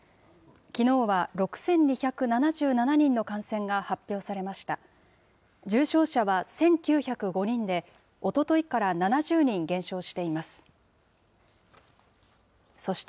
きのうは６２７７人の感染が発表されました。